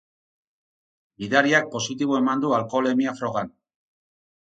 Gidariak positibo eman du alkoholemia frogan.